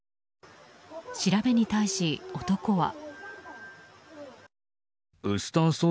調べに対し、男は。